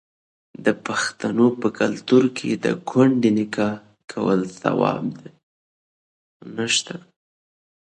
د پښتنو په کلتور کې د کونډې نکاح کول ثواب دی.